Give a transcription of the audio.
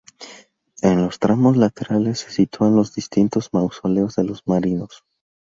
En los tramos laterales se sitúan los distintos mausoleos de los marinos.